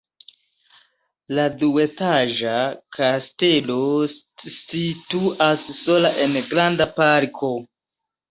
La duetaĝa kastelo situas sola en granda parko.